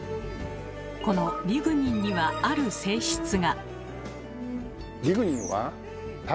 このリグニンにはある性質が。